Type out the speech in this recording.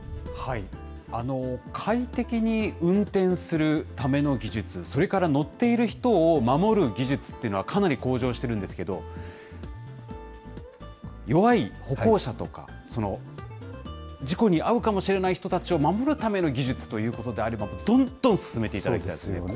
快適に運転するための技術、それから乗っている人を守る技術というのは、かなり向上してるんですけど、弱い歩行者とか、事故に遭うかもしれない人たちを守るための技術ということであれそうですよね。